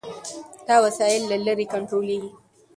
دا وسایل له لرې کنټرولېږي.